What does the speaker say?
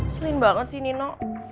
selain banget sih nino